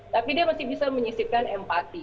tapi dia masih bisa menyisipkan empati